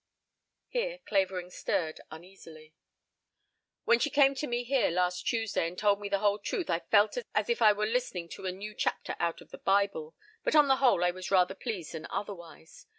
Here Clavering stirred uneasily. "When she came to me here last Tuesday and told me the whole truth I felt as if I were listening to a new chapter out of the Bible, but on the whole I was rather pleased than otherwise.